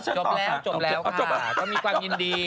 จบแล้วจบแล้วค่ะก็มีความยินดี